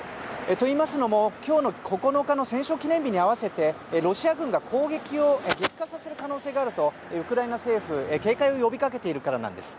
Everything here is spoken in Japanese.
といいますのも今日９日の戦勝記念日に合わせてロシア軍が攻撃を激化させる可能性があるとウクライナ政府が警戒を呼びかけているからなんです。